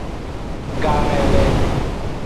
Game le.